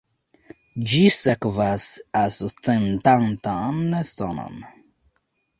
Ĝi sekvas ascendantan sonon.